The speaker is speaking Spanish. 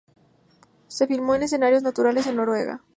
Se filmó en escenarios naturales en Noruega.